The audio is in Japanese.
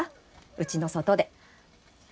うちの外で。